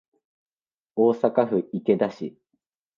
大阪府池田市